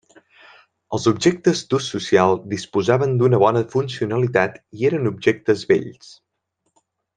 Els objectes d'ús social disposaven d'una bona funcionalitat i eren objectes bells.